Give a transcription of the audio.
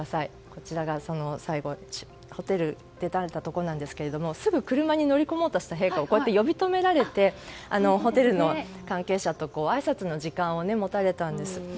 こちらが最後にホテルを出られたところですがすぐ車に乗り込もうとした陛下を呼び止められてホテルの関係者とあいさつの時間を持たれたんです。